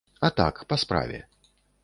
А так, па справе.